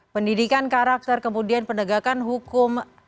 pendidikan karakter kemudian penegakan hukum